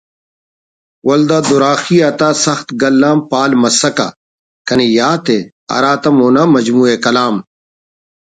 ولدا دُراخی آتا سخت گل آن بال مسکہ کنے یات ءِ ہراتم اونا مجموعہِ کلام